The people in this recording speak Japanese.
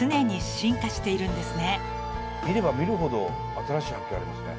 見れば見るほど新しい発見ありますね。